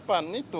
ya penangkapan itu